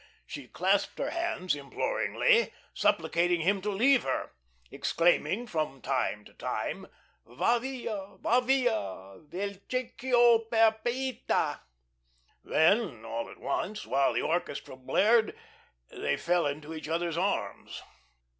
She clasped her hands imploringly, supplicating him to leave her, exclaiming from time to time: "Va via, va via Vel chieco per pieta." Then all at once, while the orchestra blared, they fell into each other's arms.